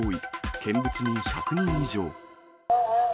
見物人１００人以上。